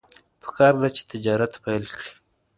پکار ده چې تجارت پیل کړي.